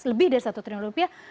lebih dari satu triliun rupiah